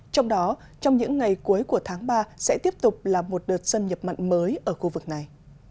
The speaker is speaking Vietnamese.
trong đó trong những ngày cuối của tháng ba sẽ tiếp tục là một đợt xâm nhập mặn mới ở khu vực này